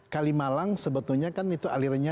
kalimalang sebetulnya kan itu alirannya